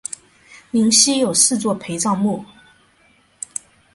灵犀有四座陪葬墓。